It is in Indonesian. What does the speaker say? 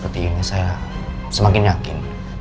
ernst dengan kata telah saya hubungkan